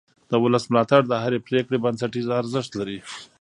د ولس ملاتړ د هرې پرېکړې بنسټیز ارزښت لري